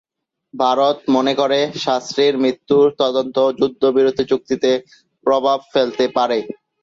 ভারত মনে করে শাস্ত্রীর মৃত্যু তদন্ত যুদ্ধ বিরতি চুক্তিতে প্রভাব ফেলতে পারে।